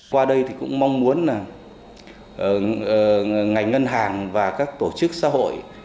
qua đây thì cũng mong muốn là ngành ngân hàng và các tổ chức xã hội